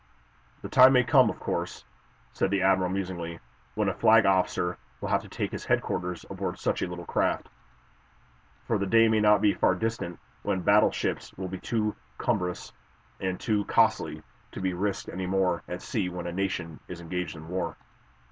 "The time may come, of course," said the admiral, musingly, "when a flag officer will have to make his headquarters aboard such a little craft, for the day may not be far distant when battleships will be too cumbrous and too costly to be risked any more at sea when a nation is engaged in war."